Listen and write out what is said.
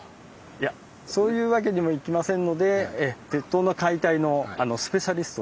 いやそういうわけにもいきませんので鉄塔の解体のスペシャリストを呼んでおりますので。